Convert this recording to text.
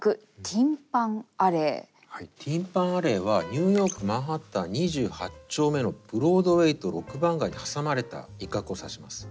ティン・パン・アレーはニューヨーク・マンハッタン２８丁目のブロードウェイと６番街に挟まれた一角を指します。